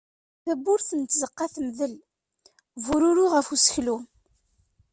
Tawwurt n tzeqqa temdel, bururu ɣef useklu.